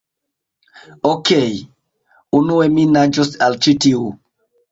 Okej. Unue mi naĝos al ĉi tiu...